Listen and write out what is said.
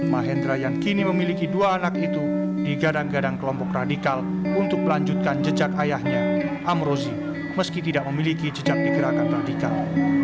mahendra yang kini memiliki dua anak itu digadang gadang kelompok radikal untuk melanjutkan jejak ayahnya amrozi meski tidak memiliki jejak di gerakan radikal